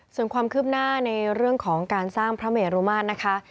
ส่วนความคืบหน้าในเรื่องของการสร้างพระเมรุมาตรนะคะ